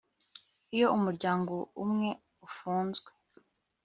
iyo umuryango umwe ufunze